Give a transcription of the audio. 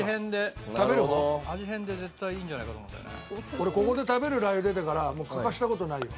俺ここで食べるラー油出てから欠かした事ないよ